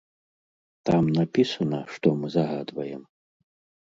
Там напісана, што мы загадваем?